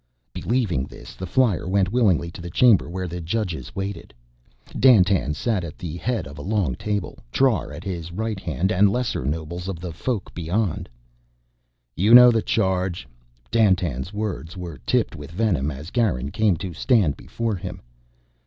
Believing this, the flyer went willingly to the chamber where the judges waited. Dandtan sat at the head of a long table, Trar at his right hand and lesser nobles of the Folk beyond. "You know the charge," Dandtan's words were tipped with venom as Garin came to stand before him.